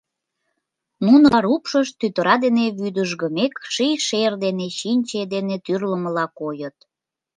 Нунын ужар упшышт, тӱтыра дене вӱдыжгымек, ший шер дене, чинче дене тӱрлымыла койыт.